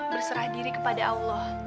berserah diri kepada allah